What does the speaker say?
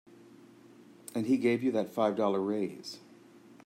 And he gave you that five dollar raise.